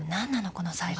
この裁判。